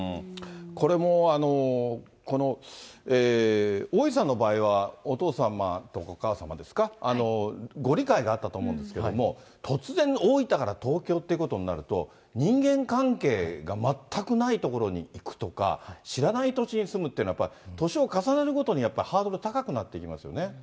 これも、この大井さんの場合は、お父様とお母様ですか、ご理解があったと思うんですけれども、突然、大分から東京っていうことになると、人間関係が全くない所に行くとか、知らない土地に住むっていうのは、やっぱり年を重ねるごとにやっぱりハードル高くなっていきますよね。